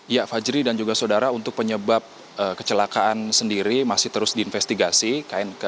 ya fajri dan juga saudara untuk penyebab kecelakaan sendiri masih terus diinvestigasi knk